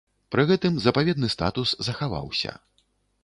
Пры гэтым запаведны статус захаваўся.